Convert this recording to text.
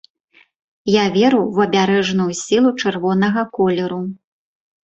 Я веру ў абярэжную сілу чырвонага колеру.